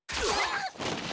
あっ！